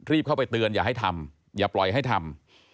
เข้าไปเตือนอย่าให้ทำอย่าปล่อยให้ทำ